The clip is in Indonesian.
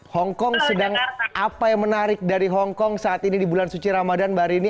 hongkong sedang apa yang menarik dari hongkong saat ini di bulan suci ramadhan mbak rini